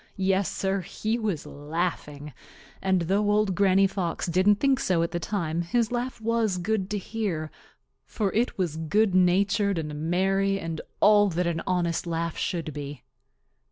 Yes, Sir, he was laughing, and though Old Granny Fox didn't think so at the time, his laugh was good to hear, for it was good natured and merry and all that an honest laugh should be.